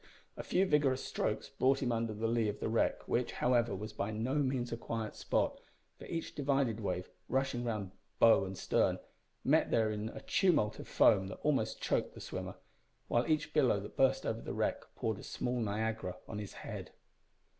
A few vigorous strokes brought him under the lea of the wreck, which, however, was by no means a quiet spot, for each divided wave, rushing round bow and stern, met there in a tumult of foam that almost choked the swimmer, while each billow that burst over the wreck poured a small Niagara on his head.